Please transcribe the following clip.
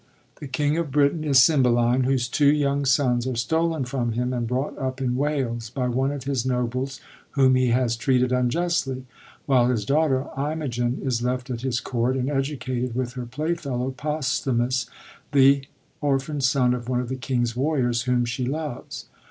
The king of Britain is Oymbeline, whose two y oung sons are stolen from him, and brought up in Wales, by one of his nobles whom he has treated im justly, while his daughter Imogen is left at his Court, and educated with her playfellow Posthumus, the orphan son of one of the king's warriors, whom she loves.